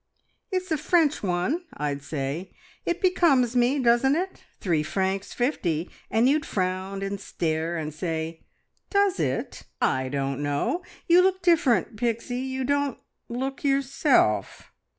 `It's a French one,' I'd say. `It becomes me, doesn't it? Three francs fifty,' and you'd frown, and stare, and say, `_Does_ it? I don't know! You look different, Pixie. You don't look yourself!'"